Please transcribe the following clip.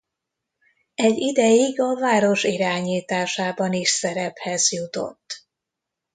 Egy ideig a város irányításában is szerephez jutott.